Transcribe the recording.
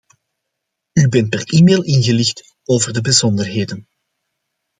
U bent per e-mail ingelicht over de bijzonderheden.